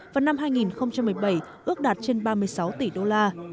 và năm hai nghìn một mươi bảy ước đạt trên ba mươi sáu tỷ đô la